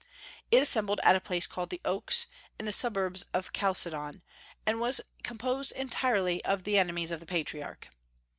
It assembled at a place called the Oaks, in the suburbs of Chalcedon, and was composed entirely of the enemies of the Patriarch.